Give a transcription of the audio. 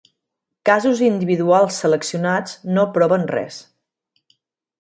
Casos individuals seleccionats no proven res.